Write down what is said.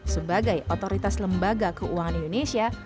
sebagai otoritas lembaga keuangan indonesia